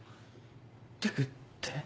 テクって？